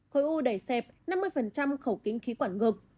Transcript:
khối u đẩy xẹp năm mươi khẩu kính khí quản ngực